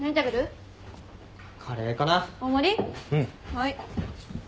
はい。